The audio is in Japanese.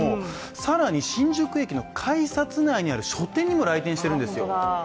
更に新宿駅の改札内にある書店にも来店しているんですよ。